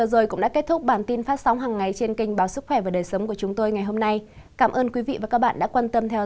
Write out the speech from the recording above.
số ca tử vong trên một triệu dân xếp thứ hai mươi tám